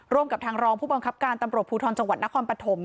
กับทางรองผู้บังคับการตำรวจภูทรจังหวัดนครปฐม